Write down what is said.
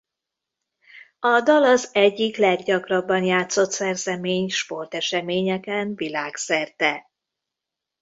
A dal az egyik leggyakrabban játszott szerzemény sporteseményeken világszerte.